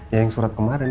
yang surat kemarin